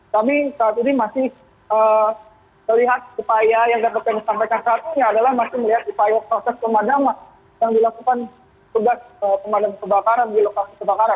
kami saat ini masih melihat upaya yang dapat kami sampaikan saat ini adalah masih melihat upaya proses pemadaman yang dilakukan tugas pemadam kebakaran di lokasi kebakaran